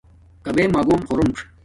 کبݺ مݳگݸم خݸرݸنڅ.